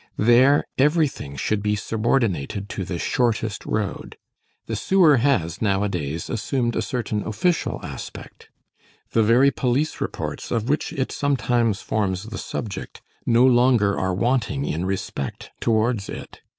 There, everything should be subordinated to the shortest road. The sewer has, nowadays, assumed a certain official aspect. The very police reports, of which it sometimes forms the subject, no longer are wanting in respect towards it.